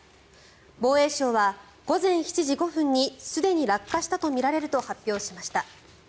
防衛省は午前７時５分にすでに落下したとみられると発表しました。